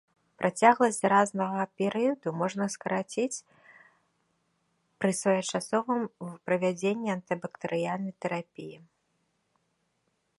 Працягласць заразнага перыяду можа скараціцца пры своечасовым правядзенні антыбактэрыяльнай тэрапіі.